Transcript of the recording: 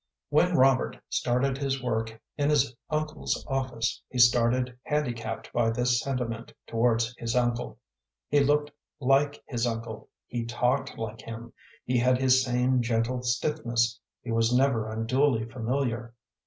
When Robert started his work in his uncle's office he started handicapped by this sentiment towards his uncle. He looked like his uncle, he talked like him, he had his same gentle stiffness, he was never unduly familiar.